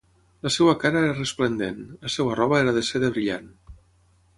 La seva cara era resplendent, la seva roba era de seda brillant.